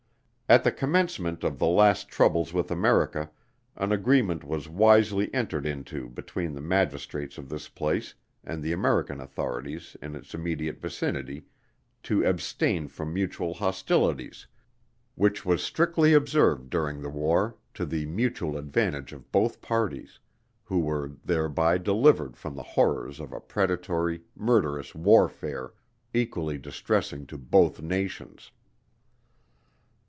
At the Commencement of the last troubles with America, an agreement was wisely entered into between the Magistrates of this place, and the American authorities in its immediate vicinity, to abstain from mutual hostilities, which was strictly observed during the war, to the mutual advantage of both parties; who were thereby delivered from the horrors of a predatory, murderous warfare, equally distressing to both nations.